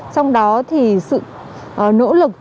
trong đó thì sự nỗ lực